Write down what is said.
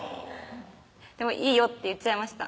でも「いいよ」って言っちゃいました